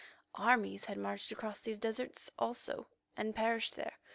Armies had marched across these deserts, also, and perished there.